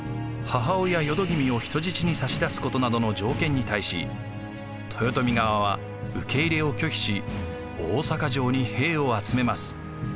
母親淀君を人質に差し出すことなどの条件に対し豊臣側は受け入れを拒否し大坂城に兵を集めます。